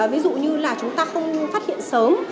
ví dụ như là chúng ta không phát hiện sớm